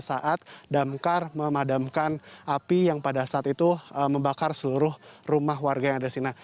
saat damkar memadamkan api yang pada saat itu membakar seluruh rumah warga yang ada di sini